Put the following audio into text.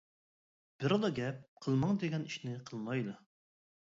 بىرلا گەپ قىلماڭ دېگەن ئىشنى قىلمايلى.